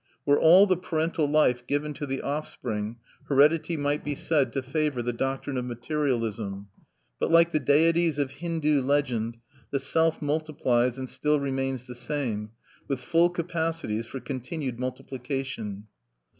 Were all the parental life given to the offspring, heredity might be said to favor the doctrine of materialism. But like the deities of Hindoo legend, the Self multiplies and still remains the same, with full capacities for continued multiplication.